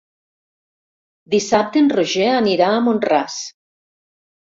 Dissabte en Roger anirà a Mont-ras.